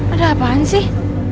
ada apaan sih